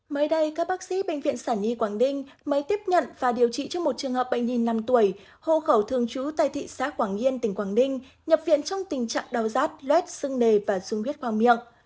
mới đây các bác sĩ bệnh viện sản nhi quảng ninh mới tiếp nhận và điều trị cho một trường hợp bệnh nhi năm tuổi hộ khẩu thường trú tại thị xã quảng yên tỉnh quảng ninh nhập viện trong tình trạng đau rát loét sưng nề và sung huyết khoang miệng